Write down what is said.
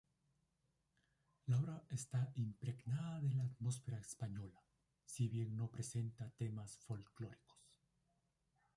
La obra está impregnada de la atmósfera española, si bien no presenta temas folclóricos.